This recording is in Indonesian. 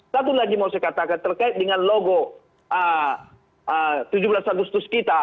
satu lagi mau saya katakan terkait dengan logo tujuh belas agustus kita